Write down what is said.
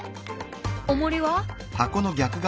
おもりは？